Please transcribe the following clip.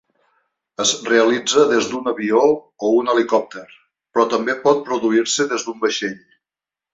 Es realitza des d’un avió o un helicòpter, però també pot produir-se des d’un vaixell.